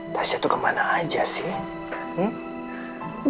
tasya tuh kemana aja sih